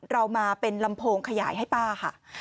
เรามาเป็นลำโพงขยายให้ป้าค่ะ